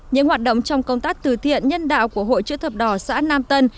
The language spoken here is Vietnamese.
những hoạt động trong công tác từ thiện nhân đạo của hội chữ thập đỏ xã nam tân